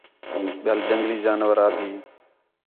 ٻِیال جنگلی جانور آ بھی